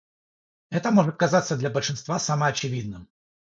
Это может казаться для большинства самоочевидным.